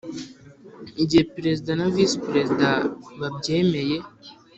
Igihe perezida na visi perezida babyemeje